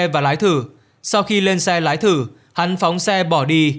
và lái thử sau khi lên xe lái thử hắn phóng xe bỏ đi